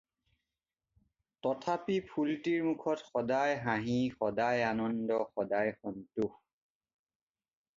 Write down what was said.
তথাপি ফুলটিৰ মুখত সদায় হাঁহি, সদায় আনন্দ, সদায় সন্তোষ।